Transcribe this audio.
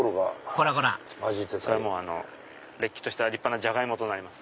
こらこられっきとした立派なジャガイモとなります。